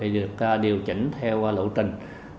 được điều chỉnh theo lộ trình